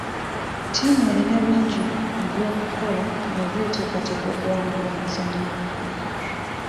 Ttiimu erina bingi ebyokukola bweba eteekateeka okuwangula omuzannyo.